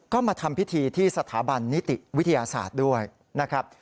ก็มาทำพิธีที่สถาบันนิติวิทยาศาสตร์ด้วยนะครับ